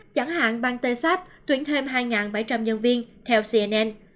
chẳng hạn bang texas tuyển thêm hai bảy trăm linh nhân viên theo cnn